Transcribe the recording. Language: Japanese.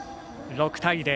６対０。